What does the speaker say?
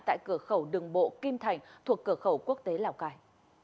tại cửa khẩu đường bộ kim thành thuộc cửa khẩu quốc tế lào cai